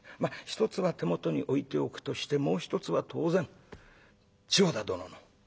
一つは手元に置いておくとしてもう一つは当然千代田殿の取り分だと思う。